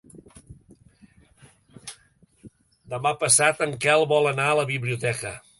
Demà passat en Quel vol anar a la biblioteca.